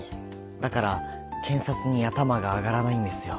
だから検察に頭が上がらないんですよ。